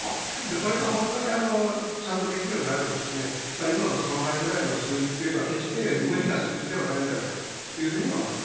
これが本当にちゃんとできるようになれば、今の３倍ぐらいの数字というのは、決して無理な数字ではないんじゃないかというふうには思います。